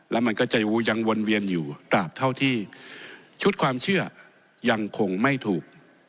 แล้วมันก็จะยังวนเวียนอยู่ตราบเท่าที่ชุดความเชื่อยังคงไม่ถูก